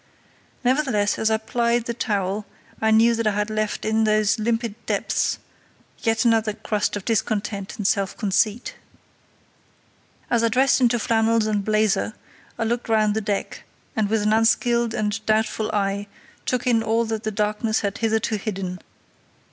Nevertheless, as I plied the towel, I knew that I had left in those limpid depths yet another crust of discontent and self conceit. As I dressed into flannels and blazer, I looked round the deck, and with an unskilled and doubtful eye took in all that the darkness had hitherto hidden.